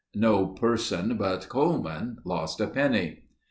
No person but Coleman lost a penny.